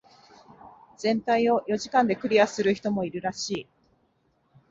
全体を四時間でクリアする人もいるらしい。